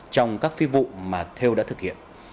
trong các phi vụ mà thêu đã thực hiện